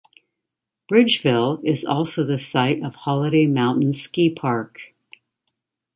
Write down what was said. Bridgeville is also the site of Holiday Mountain Ski Park.